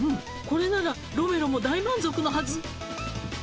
これならロメロも大満足のはず。